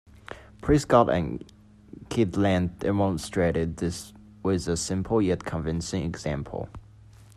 Prescott and Kydland demonstrated this with a simple yet convincing example.